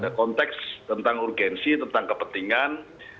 ada konteks tentang urgensi tentang kepentingan